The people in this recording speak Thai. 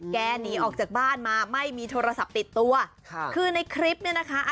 หนีออกจากบ้านมาไม่มีโทรศัพท์ติดตัวค่ะคือในคลิปเนี่ยนะคะ